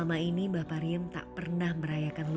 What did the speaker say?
akan kita mulai dari hospital